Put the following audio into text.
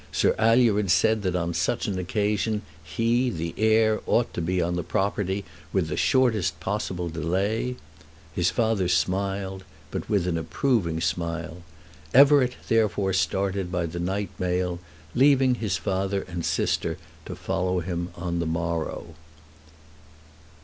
Sir Alured had said that on such an occasion he, the heir, ought to be on the property with the shortest possible delay. His father smiled; but with an approving smile. Everett therefore started by the night mail, leaving his father and sister to follow him on the morrow.